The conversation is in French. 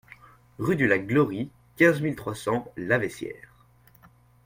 Rue du Lac Glory, quinze mille trois cents Laveissière